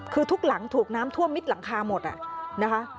คือทุกหลังถูกน้ำท่วมมิดหลังคาหมดนะคะ